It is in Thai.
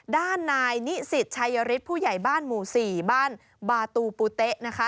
ด้านนายนิสิตชัยฤทธิ์ผู้ใหญ่บ้านหมู่๔บ้านบาตูปูเต๊ะนะคะ